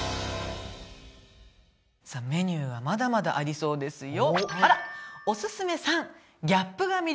さあメニューはまだまだありそうですよ。